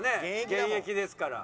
現役ですから。